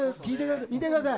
見てください。